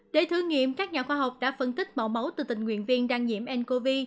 để thử nghiệm các nhà khoa học đã phân tích mẫu máu từ tình nguyện viên đang nhiễm ncov